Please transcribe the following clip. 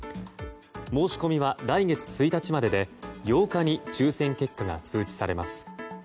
申し込みは来月１日までで８日に抽選結果が通知されます。